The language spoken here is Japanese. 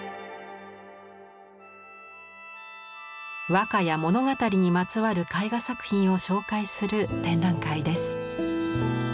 和歌や物語にまつわる絵画作品を紹介する展覧会です。